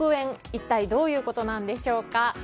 一体どういうことなんでしょうか。